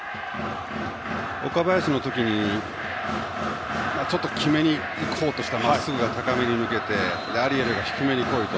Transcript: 岡林の時にちょっと決めに行こうとしたまっすぐが高めに抜けて、アリエルが低めにこいと。